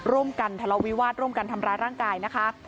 ร่วมกันทะเลาะวิวาสร่วมกันทำร้ายร่างกายนะคะ